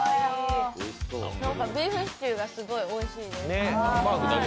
ビーフシチューがすごくおいしいです。